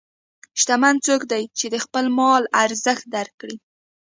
شتمن څوک دی چې د خپل مال ارزښت درک کړي.